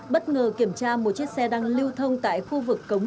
bất ngờ kiểm tra một chiếc xe đang lưu thông tại khu vực công an